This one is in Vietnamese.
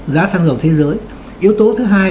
giá xăng dầu thế giới yếu tố thứ hai